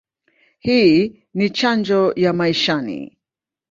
Hii ni chanjo ya maishani.